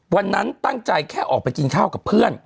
วันนั้นตั้งใจแค่ออกไปกินข้าวกับเพื่อน